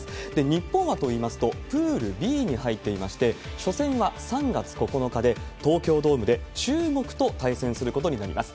日本はといいますと、プールＢに入っていまして、初戦は３月９日で、東京ドームで中国と対戦することになります。